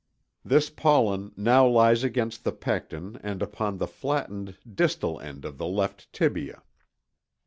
This pollen now lies against the pecten and upon the flattened distal end of the left tibia.